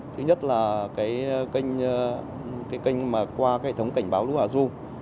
thứ nhất là kênh qua hệ thống cảnh báo lũ hà ru